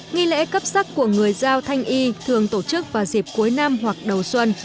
nghi lễ cấp sắc của người giao thanh y thường tổ chức vào dịp cuối năm hoặc đầu xuân